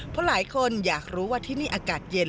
เพราะหลายคนอยากรู้ว่าที่นี่อากาศเย็น